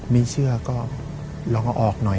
ไม่เชื่อก็ลองเอาออกหน่อย